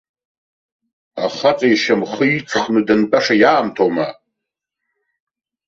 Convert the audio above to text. Ахаҵа ишьамхы иҵхны дантәаша иаамҭоума!